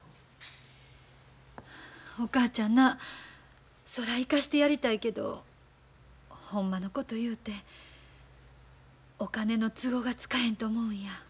お母ちゃんなそら行かしてやりたいけどほんまのこと言うてお金の都合がつかへんと思うんや。